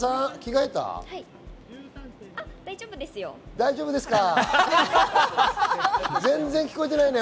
大丈夫ですよ。